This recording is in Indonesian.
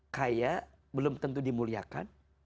kaya belum tentu dimuliakan